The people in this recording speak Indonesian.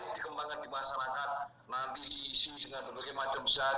nanti diisi dengan berbagai macam zat